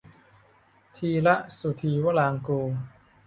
ธีระ สุธีวรางกูร